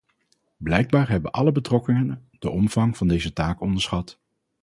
Blijkbaar hebben alle betrokkenen de omvang van deze taak onderschat.